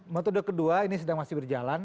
metode kedua ini sedang masih berjalan